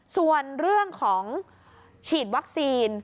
ส่วนเรื่องของฉีดวัคซีน